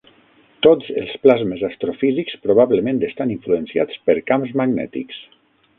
Tots els plasmes astrofísics probablement estan influenciats per camps magnètics.